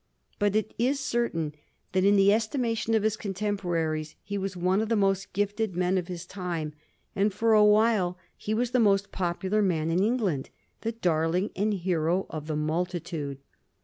But it is certain that in the estimation of his contemporaries he was one of the most gifted men of his time ; and for a while he was the inost popular man in England — the darling and the hero of the multitude.